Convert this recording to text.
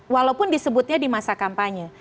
walaupun disebutnya di masa kampanye